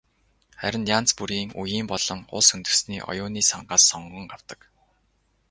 Харин янз бүрийн үеийн болон улс үндэстний оюуны сангаас сонгон авдаг.